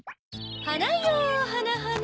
はなよはなはな